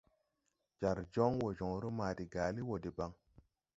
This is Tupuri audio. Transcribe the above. Jar jɔŋ wɔ jɔŋre maa de gaali wɔ deɓaŋ.